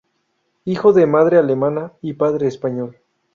Hijo de madre alemana y padre español.